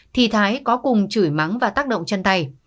thì thái có cùng chửi mắng và tác động chân tay